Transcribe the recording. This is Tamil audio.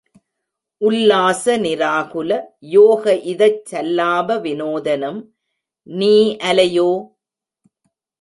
உல்லாச நிராகுல, யோகஇதச் சல்லாப விநோதனும் நீஅலையோ?